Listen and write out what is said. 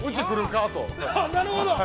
◆なるほど。